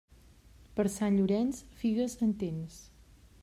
Per Sant Llorenç, figues, en tens.